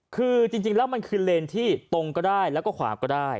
คือจริงแล้วมันคือเลนที่ตรงก็ได้แล้วก็ขวาก็ได้